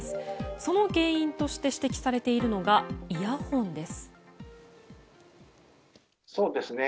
その原因として指摘されているのがイヤホンです。